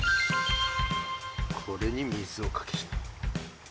これに水をかける。